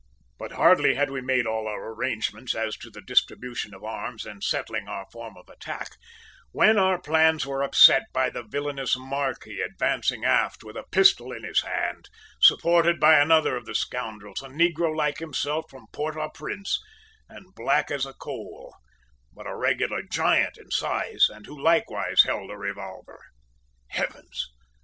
"But hardly had we made all our arrangements as to the distribution of arms and settling our form of attack, when our plans were upset by the villainous `marquis' advancing aft with a pistol in his hand, supported by another of the scoundrels, a negro like himself from Port au Prince, and black as a coal, but a regular giant in size, and who likewise held a revolver. "Heavens!